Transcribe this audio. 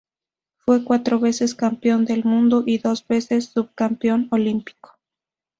Fue cuatro veces Campeón del mundo y dos veces subcampeón olímpico.